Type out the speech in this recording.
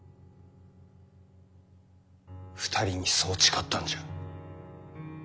２人にそう誓ったんじゃ。